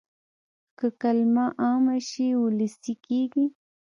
که کلمه عامه شي وولسي کېږي.